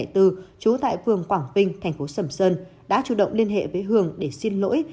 trú tại phường quảng vinh thành phố sầm sơn đã chủ động liên hệ với hường để xin lỗi